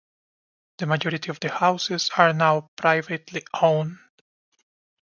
The majority of the houses are now privately owned.